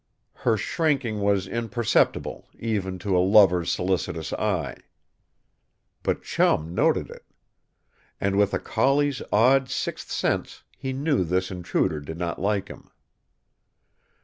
Her shrinking was imperceptible, even to a lover's solicitous eye. But Chum noted it. And with a collie's odd sixth sense he knew this intruder did not like him.